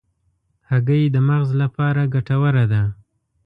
هګۍ د مغز لپاره ګټوره ده.